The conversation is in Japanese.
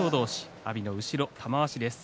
阿炎の後ろ、玉鷲です。